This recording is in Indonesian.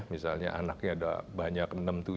misalnya anaknya ada banyak enam tujuh